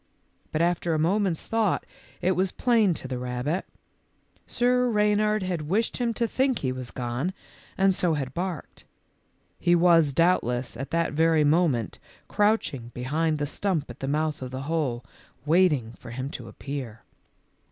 But after a moment's thought it was plain to the rabbit. Sir Rey nard had wished him to think he had gone, and so had barked. He was, doubtless, at that very moment crouching behind the stump at the mouth of the hole, waiting for him to appear.